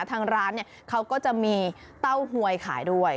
ทางร้านเขาก็จะมีเต้าหวยขายด้วย